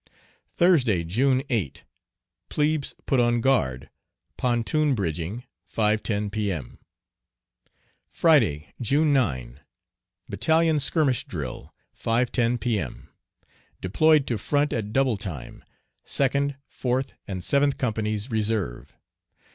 Thursday, June 8. Plebes put on guard. Pontoon bridging, 5.10 P. M. Friday, June 9. Battalion skirmish drill 5.10 P.M. Deployed to front at double time. Second, fourth, and seventh companies reserve.